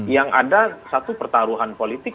yang ada satu pertaruhan politik